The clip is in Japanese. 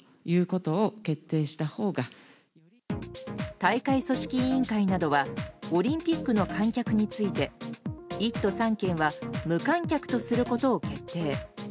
大会組織委員会などはオリンピックの観客について１都３県は無観客とすることを決定。